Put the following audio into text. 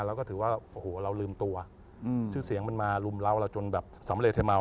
แล้วก็ถือว่าโอ้โหเรารึมตัวชื่อเสียงมันมารุมเหล้าจนแบบสำเรถเทแมว